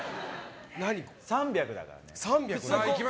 ３００だから。